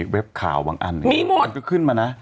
มันก็ขึ้นไปนะ